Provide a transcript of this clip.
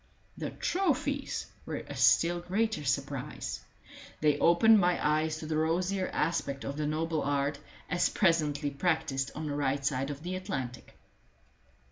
The trophies were a still greater surprise. They opened my eyes to the rosier aspect of the noble art, as presently practised on the right side of the Atlantic.